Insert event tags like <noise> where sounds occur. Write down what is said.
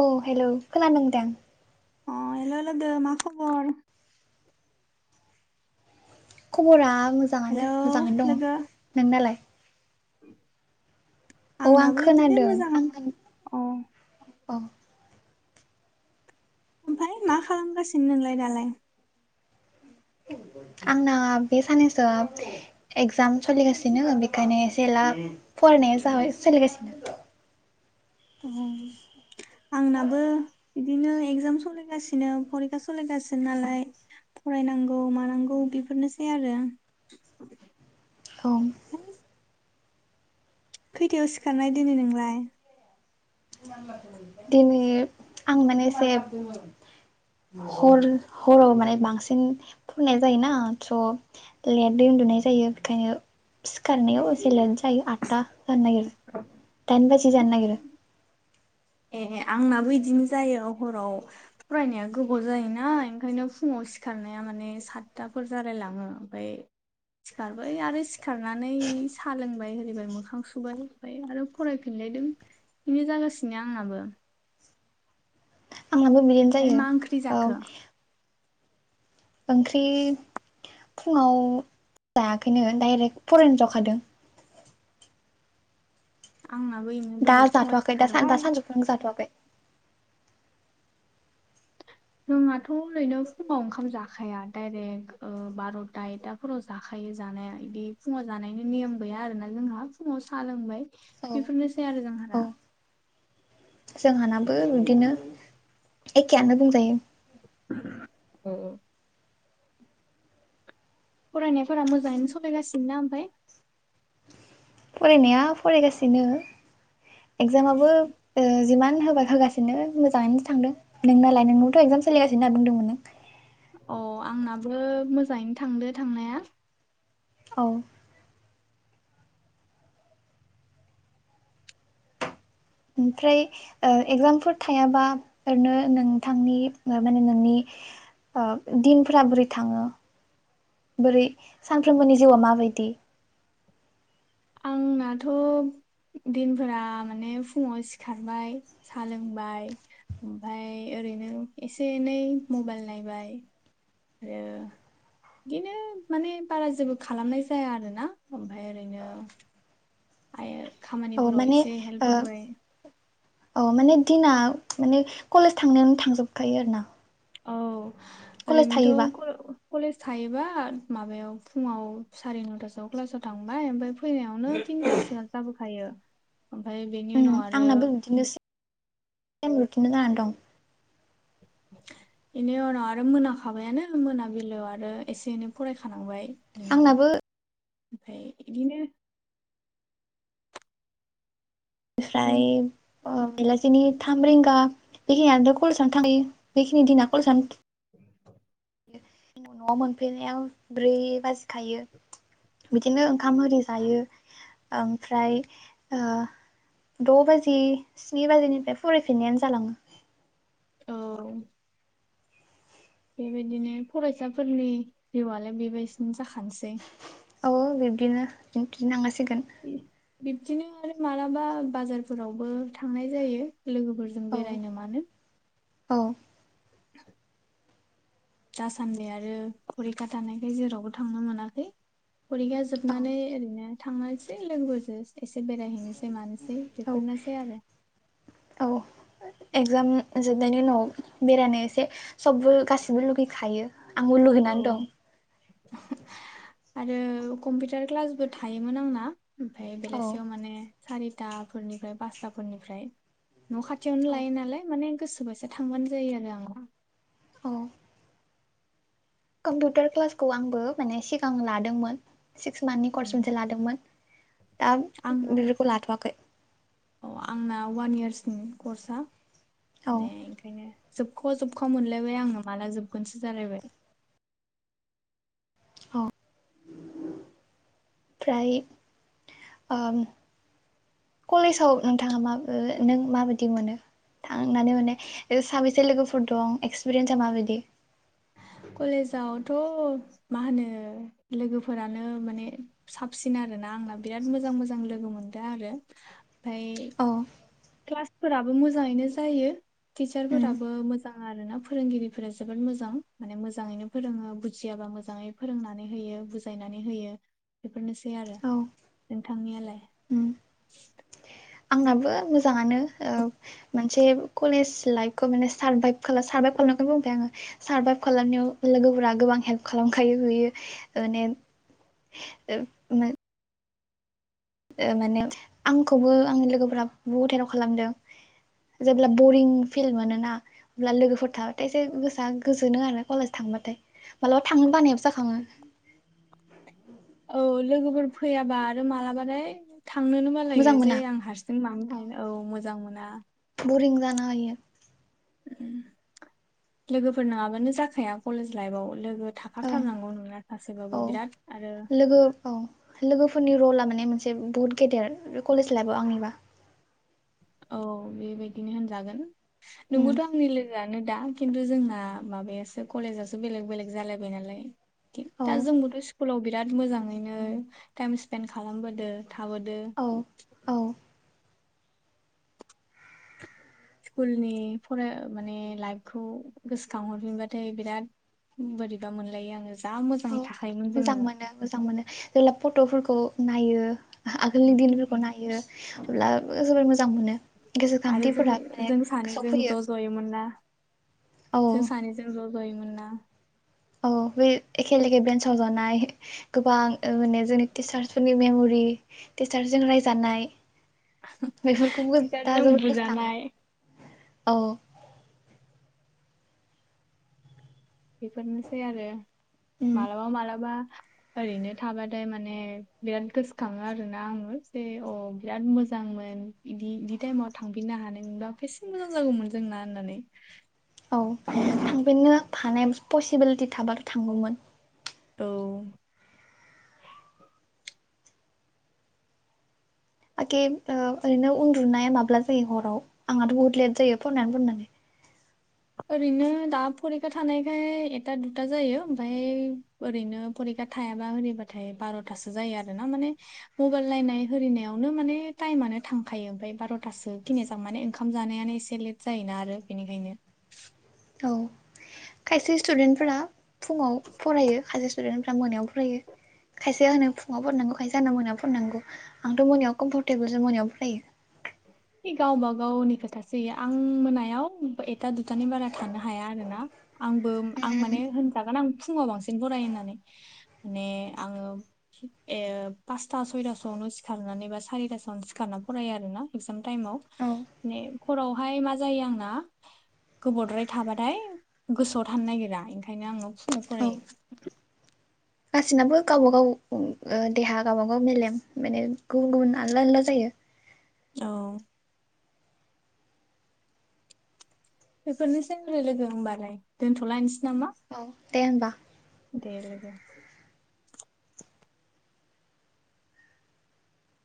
औ हेलौ खोनादोंदां अ हेल' लोगो मा खबर खबरा हेल' मोजाङानो मोजाङैनो दङ लोगो नोंनालाय <inaudible> औ आं आंनाबो इदिनो खोनादों मोजाङानो अ अ ओमफाय मा खालामगासिनो नोंलाय दालाय आंना बे साननैसोआ एगजाम सोलिगासिनो बेखायनो एसे ला फरायनाया जाबाय सोलिगासिनो अ आंनाबो बिदिनो एगजाम सलिगासिनो फरिखा सलिगासिनो नालाय फरायनांगौ मानांगौ बेफोरनोसै आरो औ ओमफ्राय खैथायाव सिखारनाय दिनै नोंलाय दिनै आं माने एसे हर हराव माने बांसिन फरायनाय जायोना थ' लेेदै उन्दुनाय जायो बेखायनो सिखारनायाव एसे लेद जायो आतथा जानो नागिरो दाइन बाजि जानो नागिरो ए आंनाबो इदिनो जायो हराव फरायनाया गोबाव जायोना ओंखायनो फुङाव सिखारनाया माने सातथाफोर जालायलाङो ओमफ्राय सिखारबाय आरो सिखारनानै साहा लोंबाय हिरिबाय मोखां सुबाय ओमफ्राय आरो फरायफिनलायदों बेनो जागासि नो आंनाबो आंहाबो बिदिनो ओमफ्राय जायो मा ओंख्रि औ जाखो ओंख्रि फुङाव जायाखैनो डायरेक्ट फरायनो जखादों आंनाबो इनो दा दहाय फुङाव जाथ'वाखै दा सिखारबाय दा सानजौफु निखौ जाथ'वाखै जोंहाथ' ओरैनो फुङाव ओंखाम जाखाया डाइरेक्ट ओ बार'था एकथाफोराव जाखायो जानाया इदि फुङाव जानायनि नेयम गैया आरोना जोंहा फुङाव साहा लोंबाय औ बेफोरनोसै आरो जोंहा औ दा जोंहानाबो बिदिनो एखेयानो बुंजायो ओ औ फरायनायफोरा मोजाङैनो सलायगासिनोना ओमफाय फरायनाया फरायगासिनो एगजामाबो ओ जिमान होबा होगा होगासिनो मोजाङैनो थांदों नोंनालाय नोंनावथ' एगजाम सोलिगासिनो होनना बुंदोंमोन नों अ आंनाबो मोजाङैनो थांदो थांनाया औ ओमफ्राय ओ एगजामफोर थायाबा ओरैनो नोंथांनि माने नोंनि ओ दिनफोरा बोरै थाङो बोरै सानफ्रोमबोनि जिउआ माबायदि आंनाथ' दिनफोरा माने फुङाव सिखारबाय सा लोंबाय ओमफाय ओरैनो एसे एनै मबाइल नायबाय आरो बिदिनो माने बारा जेबो खालामनाय जाया आरोना ओमफाय ओरैनो आइयो अ माने ओ अ माने दिना माने कलेज थांनाय थांजोबखायो आरो ना औ कलेज ओरैनोथो थायोबा कलेज थायोबा ओ माबायाव फुङाव साराय नथासोआव क्लासाव थांबाय ओमफाय फैनायावनो थिनथासो जाबो हायो ओमफाय बेनि उम उनाव आरो थायेम रथिननो जानानै दं बेनि उनाव आरो मोनाखाबायानो मोनाबिलिआव आरो एसे एनै फरायखानांबाय आंनाबो ओमफाय बिदिनो स्राय बिदिनो अ बेलासिनि थाम रिंगा बेखिनियानोथ' कलेजयावनो थांखायो बेखिनि दिना कलेजावनो न'आव मोनफिनायाव ब्रै बाजिखायो बिदिनो ओंखाम ओरि जायो ओमफ्राय द' बाजि स्नि बाजिनिफ्राय फरायफिन्नायानो जालाङो औ बेबायदिनो फरायसाफोरनि जिउआलाय बेबायसिनो जाखा औ बिबदिनो बुंफिन नाङा सिगोन बिब्दिनो आरो मालाबा बाजारफोरावबो थांनाय जायो लोगोफोरजों औ बेरायनो मानो औ दासान्दि आरो फरिखा थानायखाय जेरावबो थांनो मोनाखै फरिखा जोबनानै ओरैनो थांनोसै लोगोफोरजों एसे बेरायहैनोसै मानो सै औ बेफोरनोसै आरो औ औ एगजाम जोबनायनि उनाव बेरायनो एसे सबबो गाैसिबबो लुगैखायो आंबो लुगैनानै औ दं आरो कम्पिउटार क्लासबो थायोमोन आंना ओमफाय औ बेलासियाव माने सारिताफोरनिफ्राय पासताफोरनिफ्राय न' खाथियावनो लायो नालाय माने गोसोबायसा थांबानो जायो आरो आं औ कम्पिउटार क्लासखौ आंबो माने सिगां लादोंमोन सिक्स मान्थनि कर्स मोनसे लादोंमोन दा आंना बेफोरखौ लाथ'वाखै औ आंना ववान इयार्सनि कर्सआ औ दे ओंखायनो जोबख' जोबखवा मोनलायबाय आंनो माला जोबगोनसो जालायबाय औ ओमफ्राय ओ कलेजाव नोंथाङा मा नों माबायदि मोनो थांनानै माने साबेसे लोगोफोर दं एक्सपिरियेन्सा माबायदि कलेजावथ' मा होनो लोगोफोरानो माने साबसिन आरोना आंना बिराद मोजां मोजां लोगो मोन दा आरो ओमफाय औ क्लासफोराबो मोजाङैनो जायो उम टिचारफोराबो मोजां आरोना फोरोंगिरिफोरा जोबोद मोजां माने मोजाङैनो फोरोङो बुजियाबा मोजाङै फोरोंनानै होयो बुजायनानै होयो बेफोरनोसै आरो औ थांनियालाय उम आंनाबो मोजाङानो ओ मोनसे कलेज लाइफखौ माने सार्भाइभ खालाम सार्भाइभ खालामखनो बुंबाय आङो सार्भाइभ खालामनायाव लोगोफोरा गोबां हेल्प खालामखायो बिुयो माने म <unintelligible> ओ माने आंखौबो आंनि लोगोफोरा बहुथ हेलप खालामदों जेब्ला बरिं फिल मोनोना अब्ला लोगोफोर थाबाथाय एसे गोसोआ गोजोनो आरो कलेज थांबाथाय माबलाबा थांनो बानायाबो जाखाङो औ लोगोफोर फैयाबा आरो मालाबालथाय थांनोनो मोजां बालायो जे मोना आं हारसिं मानो थाहैनो औ मोजां मोनो दा बरिं जाना हायो लोगोफोर नोङाबानो जाखाया कलेज लाइफआव लोगो ओं थाखाथारनांगौ ननो औ गासैबाबो बिराद आरो लोगो औ लोगोफोरनि रला माने मोनसे बुहुत गेदेर कलेज लाइफव आंनिबा औ बेबायदिनो होनजागोन उम नोंबोथ' आंनि लो नो दा खिन्थु जोंना माबायासो कलेजावसो बेलेग बेलेग जालायबाय नालाय औ दा जोंबोथ' स्कुलाव बिदि बिराद मोजाङैनो टाइम स्पेन्ड खालामबोदों थाबोदो औ औ स्कुलनि फराय माने लाइफखौ गोसोखांहरफिनबाथाय बिराद बोरैबा मोनलायो आङो जा औ मोजाङै थाखायोमोन मोजां जोङो मोनो मोजां मोनो जेब्ला फट'फोरखौ नायो आगोलनि दिनफोरखौ नायो अब्ला जोबोर मोजां मोनो आरो जों गोसोखांथिफोरा माने जों गोसोआव सानैजों फैयो ज' ज'योमोन ना औ जों सानैजों ज' जयोमोनना औ बे एखे लेखे ब्रेन्साव जानाय गोबां माने जोंनि टिचार्सफोरनि मेमरि टिचारजों रायजानाय बेफोरखौबो दा टिचारजों जोबोद गोसो बुजानाय खाङो औ बेफोरनोसै आरो उम मालाबा मालाबा ओरैनो थाबाथाय माने बिराद गोसोखाङो आरोना आङो जे अ बिराद मोजांमोन बिदि बिदि टाइमाव थांफिननो हानायबा बेसेन मोजां जागौमोन जोंना होननानै औ थांफिननो हानाय पसिबिलिटि थाबाथ' थांगौमोन औ एखे ओरैनो उन्दुनाया माब्ला जायो हराव आंहाथ' बुहुत लेट जायो फरायनानै फरायनानै ओरैनो दा फरिखा थानायखाय एथा दुथा जायो ओमफ्राय ओरैनो फरिखा थायाबा ओरैबाथाय बार'थासो जायो आरोना माने मबाइल नायनाय होरिनायावनो माने टाइमानो थांखायो ओमफ्राय बार'था सो गिनाय जां माने ओंखाम जानायानो एसे लेट जायोना आरो बेनिखायनो औ खायसे स्टुदेन्टफोरा फुङाव फरायो खायसे स्टुडेन्टफोरा मोनायाव फरायो खायसे होनो फुङाव फरायनांगौ खायसे होनो मोनायाव फरायनांगौ आंथ' मोनायाव कम्फरटेबोल सो मोनायाव फरायो है गावबा गावनि खोथासो एयो आं मोनायाव एथा दुथानि बारा थानो हाया आरो ना आंबो आं माने होनजागोन आं फुङाव बांसिन फरायो होननानै माने आङो पासथा सयथासोआवनो सिखारनानै बा सारिथासोआवनो सिखारनानै फरायो आरोना एगजाम टाइमाव औ माने हरावहाय मा जायो आंना गोबावद्राय थाबाथाय गोसोआव थानो नागिरा ओंखायनो आङो फुङाव औ फरायो गासिनाबो गावबा गाव ओ देहा गावबा गाव मेलेम माने गुबुन गुबुन आलदा आलदा जायो औ बेफोरनोसै लोगो होमबालाय दोनथ'लायनोसै नामा औ दे होनबा दे लोगो